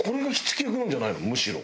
むしろ。